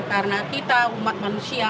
karena kita umat manusia